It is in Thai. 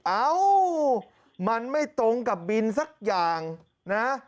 เอ้ามันไม่ตรงกับบินสักอย่างนะ